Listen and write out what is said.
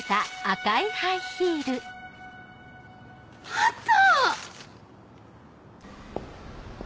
あった！